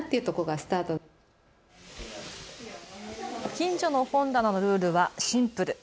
きんじょの本棚のルールはシンプル。